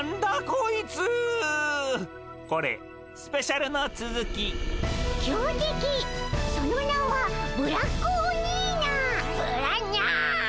これスペシャルのつづきブラニャー！